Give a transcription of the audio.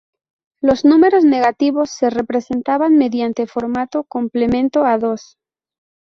Los números negativos se representaban mediante formato "complemento a dos".